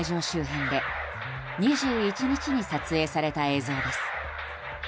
周辺で２１日に撮影された映像です。